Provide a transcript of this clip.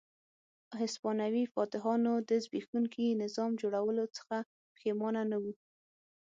هسپانوي فاتحانو د زبېښونکي نظام جوړولو څخه پښېمانه نه وو.